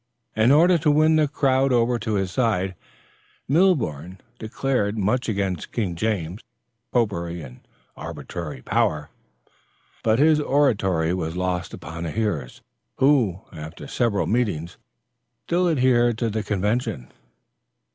In order to win the crowd over to his side, Milborne declaimed much against King James, popery and arbitrary power; but his oratory was lost upon the hearers, who, after several meetings, still adhered to the convention.